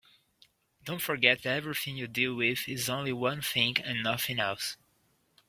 Don't forget that everything you deal with is only one thing and nothing else.